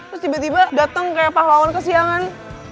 terus tiba tiba datang kayak pahlawan kesiangan